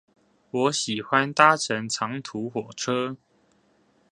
我喜歡搭乘長途火車